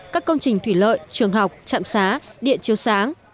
các công trình thủy lợi trường học chạm xá điện chiếu sáng